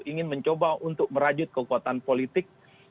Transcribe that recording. ingin mencoba untuk merajut kekuatan politik